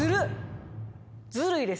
ずるいです。